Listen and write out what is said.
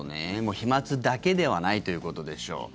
飛まつだけではないということでしょう。